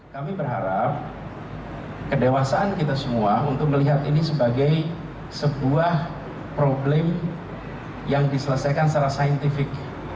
kami berharap kedewasaan kita semua untuk melihat ini sebagai sebuah problem yang diselesaikan secara saintifik